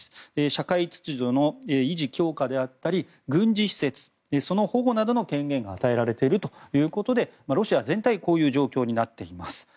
社会秩序の維持強化であったり軍事施設の保護などの権限が与えられているということでロシア全体がこういう状況になっています。